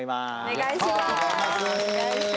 お願いします。